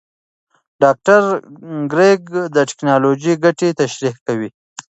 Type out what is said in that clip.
ډاکټر کریګ د ټېکنالوژۍ ګټې تشریح کوي.